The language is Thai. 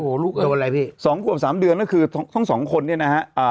โอ้โหลุกกันโดนอะไรพี่๒ขวบ๓เดือนก็คือทั้ง๒คนเนี่ยนะฮะ